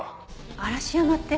嵐山って。